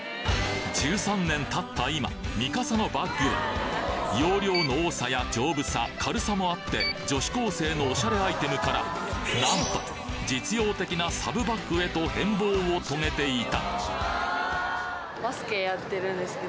１３年経った今ミカサのバッグは容量の多さや丈夫さ軽さもあって女子高生のオシャレアイテムからなんと実用的なサブバッグへと変貌を遂げていた！